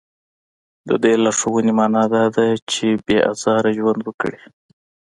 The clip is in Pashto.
د دې لارښوونې معنا دا ده چې بې ازاره ژوند وکړي.